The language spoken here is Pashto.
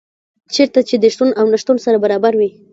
چېرته چي دي شتون او نه شتون سره برابر وي